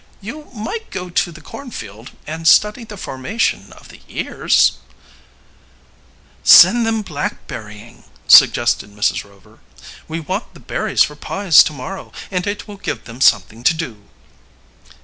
"You might go down to the cornfield, and study the formation of the ears " "Send them blackberrying," suggested Mrs. Rover. "We want the berries for pies tomorrow, and it will give them something to do."